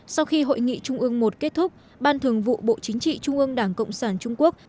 sau khi hội nghị trung ương một kết thúc ban thường vụ bộ chính trị trung ương đảng cộng sản trung quốc